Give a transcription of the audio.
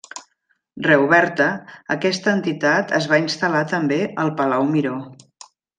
Reoberta, aquesta entitat es va instal·lar també al Palau Miró.